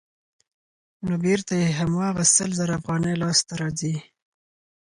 نو بېرته یې هماغه سل زره افغانۍ لاسته راځي